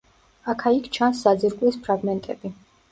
აქა-იქ ჩანს საძირკვლის ფრაგმენტები.